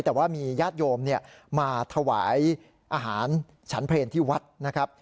แต่ว่ามีญาติโยมมาถวายอาหารฉันเพลงที่วัดนะครับ